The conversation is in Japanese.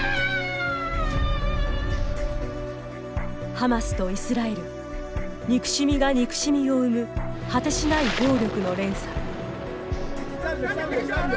ハマスとイスラエル憎しみが憎しみを生む果てしない暴力の連鎖。